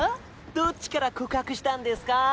どっちから告白したんですか？